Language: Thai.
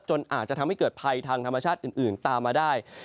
อาจจะทำให้เกิดภัยทางธรรมชาติอื่นตามมาได้